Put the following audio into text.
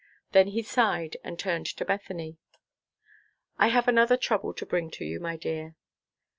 Then he sighed and turned to Bethany. "I have another trouble to bring to you, my dear.